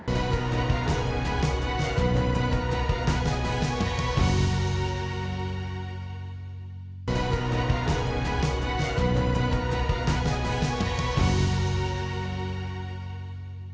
supaya sama pendidikan ini untuk semua anak